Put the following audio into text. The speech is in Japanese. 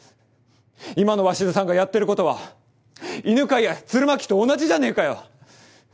今の鷲津さんがやってることは犬飼や鶴巻と同じじゃねぇかよ！